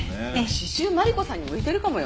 刺繍マリコさんに向いてるかもよ？